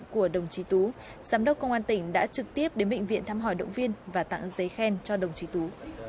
các bạn đã trực tiếp đến bệnh viện thăm hỏi động viên và tặng giấy khen cho đồng chí tú